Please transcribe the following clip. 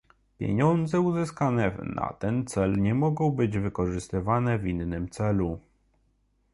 Pieniądze uzyskane na ten cel nie mogą być wykorzystywane w innym celu